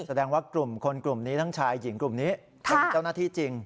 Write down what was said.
แสดงว่ากลุ่มคนกลุ่มนี้ทั้งชายหญิงกลุ่มนี้เป็นเจ้าหน้าที่จริง